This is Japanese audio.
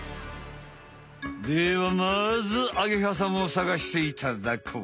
ではまずアゲハさまをさがしていただこう！